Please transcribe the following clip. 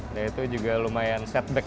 nah itu juga lumayan setback